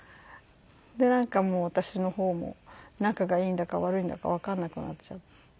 なんかもう私の方も仲がいいんだか悪いんだかわかんなくなっちゃったと。